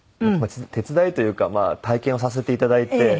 手伝いというか体験をさせて頂いて。